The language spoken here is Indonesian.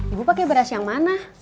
ibu pakai beras yang mana